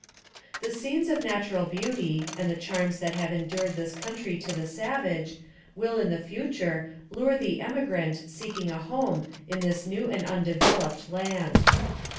The scenes of natural beauty, and the charms that 64 NARRATIVE OF CAPTIVITY have endeared this country to the savage, will in the future lure the emigrant seeking a home in this new and undeveloped land.